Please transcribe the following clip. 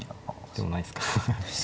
でもないですか？